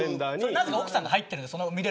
なぜか奥さんが入ってる。